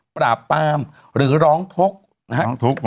ปราบปามหรือร้องทุกข์